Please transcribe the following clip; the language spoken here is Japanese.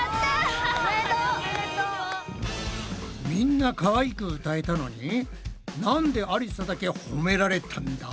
みんなかわいく歌えたのになんでありさだけ褒められたんだ？